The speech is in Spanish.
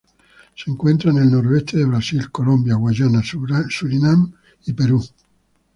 Se encuentran en el noroeste de Brasil, Colombia, Guyana, Suriname y Perú.